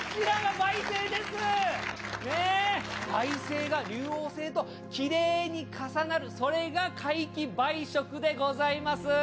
梅星が竜王星ときれいに重なる、それが皆既梅食でございます。